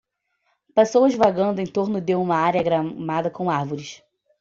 Pessoas vagando em torno de uma área gramada com árvores.